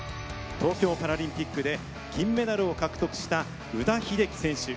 東京パラリンピックで銀メダルを獲得した宇田秀生選手。